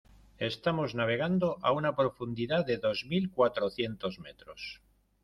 estamos navegando a una profundidad de dos mil cuatrocientos metros.